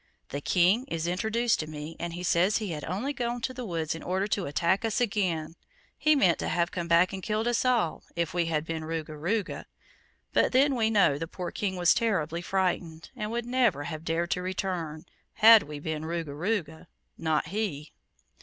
The King is introduced to me, and he says he had only gone to the woods in order to attack us again he meant to have come back and killed us all, if we had been Ruga Ruga. But then we know the poor King was terribly frightened, and would never have dared to return, had we been RugaRuga not he.